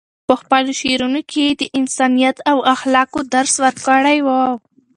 په خپلو شعرونو کې یې د انسانیت او اخلاقو درس ورکړی دی.